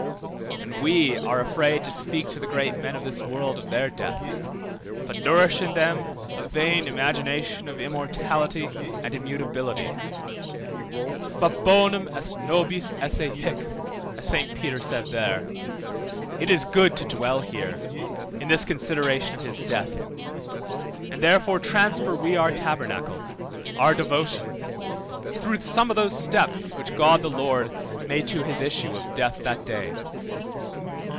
And we are afraid to speak to the great men of this world of their death, but nourish in them a vain imagination of immortality and immutability. But bonum est nobis esse hic (as Saint Peter said there), It is good to dwell here, in this consideration of his death, and therefore transfer we our tabernacle (our devotions) through some of those steps which God the Lord made to his issue of death that day.